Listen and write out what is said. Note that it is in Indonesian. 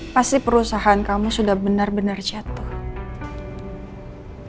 pasti perusahaan kamu sudah benar benar jatuh